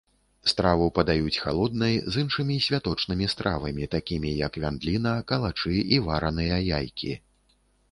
Страву падаюць халоднай з іншымі святочнымі стравамі, такімі як вяндліна, калачы і вараныя яйкі.